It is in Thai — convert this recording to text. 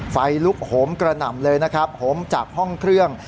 ไฟลุกโหมกระหน่ำเลยนะครับโหมจากห้องเครื่อง